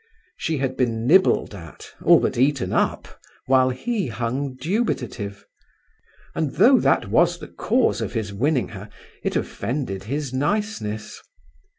She had been nibbled at, all but eaten up, while he hung dubitative; and though that was the cause of his winning her, it offended his niceness.